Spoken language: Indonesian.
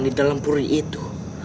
di dalam puri itu